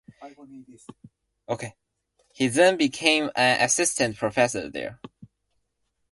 He then became an assistant professor there.